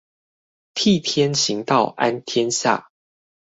替天行道安天下